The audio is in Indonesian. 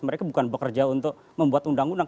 mereka bukan bekerja untuk membuat undang undang